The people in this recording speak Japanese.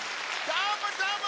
どーもどーも！